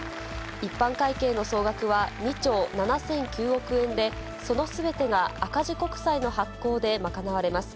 一般会計の総額は２兆７００９億円で、そのすべてが赤字国債の発行で賄われます。